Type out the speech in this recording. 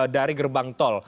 dari gerbang tol